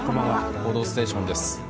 「報道ステーション」です。